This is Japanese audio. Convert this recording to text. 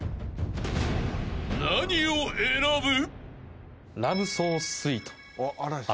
［何を選ぶ？］